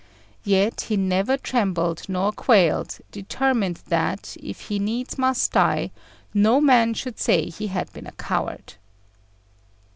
Yet he never trembled nor quailed, determined that, if he needs must die, no man should say he had been a coward.